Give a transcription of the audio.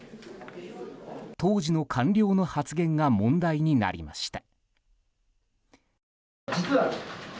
当時の官僚の発言が問題になりました。